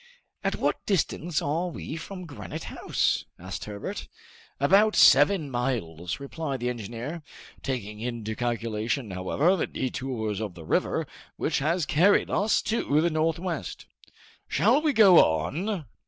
"At what distance are we from Granite House?" asked Herbert. "About seven miles," replied the engineer, "taking into calculation, however, the detours of the river, which has carried us to the northwest." "Shall we go on?"